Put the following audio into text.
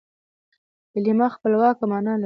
کلیمه خپلواکه مانا لري.